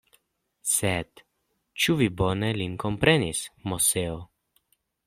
Sed, ĉu vi bone lin komprenis, Moseo?